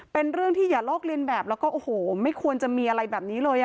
เป็นเรื่องที่อย่าลอกเรียนแบบแล้วก็โอ้โหไม่ควรจะมีอะไรแบบนี้เลย